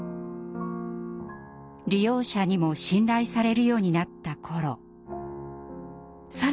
利用者にも信頼されるようになった頃更に糖尿病が悪化。